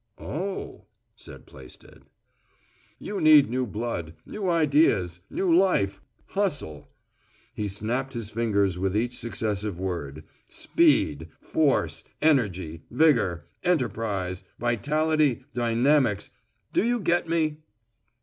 "Oh," said Plaisted. "You need new blood, new ideas, new life, hustle," he snapped his fingers with each successive word "speed force energy vigor enterprise vitality dynamics do you get me?"